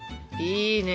いいね